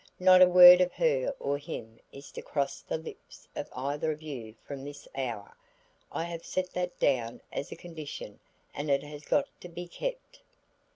Not a word of her or him is to cross the lips of either of you from this hour. I have set that down as a condition and it has got to be kept."